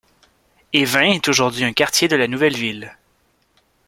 Évain est aujourd'hui un quartier de la nouvelle ville.